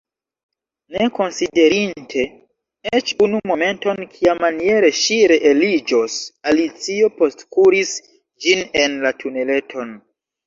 Ne konsiderinte eĉ unu momenton, kiamaniere ŝi reeliĝos, Alicio postkuris ĝin en la tuneleton.